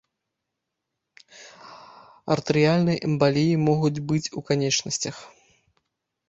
Артэрыяльнай эмбаліі могуць быць у канечнасцях.